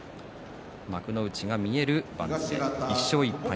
幕内が見える番付１勝１敗。